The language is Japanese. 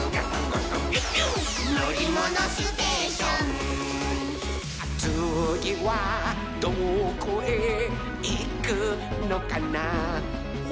「のりものステーション」「つぎはどこへいくのかなほら」